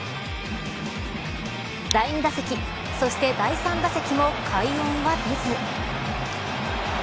第２打席、そして第３打席も快音は出ず。